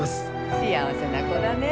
幸せな子だねえ！